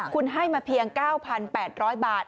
คุณให้มาเพียง๙๘๐๐บาท